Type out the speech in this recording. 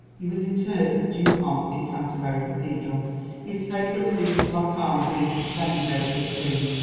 He was interred with due pomp in Canterbury Cathedral, his favorite suit of black armor being suspended over his tomb.